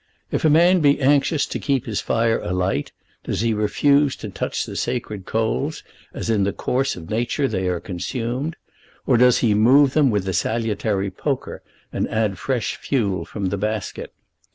If a man be anxious to keep his fire alight, does he refuse to touch the sacred coals as in the course of nature they are consumed? Or does he move them with the salutary poker and add fresh fuel from the basket?